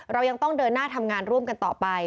เรายังต้องเดินหน้าทำงานร่วมกันต่อไป